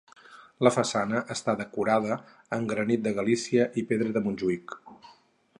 La façana està decorada amb granit de Galícia i pedra de Montjuïc.